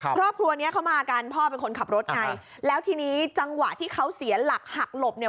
ครอบครัวเนี้ยเขามากันพ่อเป็นคนขับรถไงแล้วทีนี้จังหวะที่เขาเสียหลักหักหลบเนี่ย